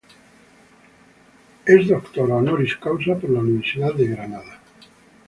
Es doctora "honoris causa" por la Universidad de Granada